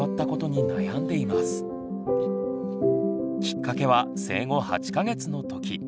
きっかけは生後８か月の時。